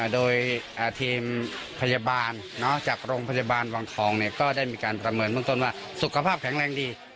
โดยทีมพยาบาลจากโรงพยาบาลวังทองก็ได้มีการประเมินเบื้องต้นว่าสุขภาพแข็งแรงดี